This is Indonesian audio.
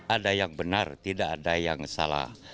ada yang benar tidak ada yang salah